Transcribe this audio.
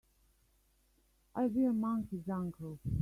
I'll be a monkey's uncle!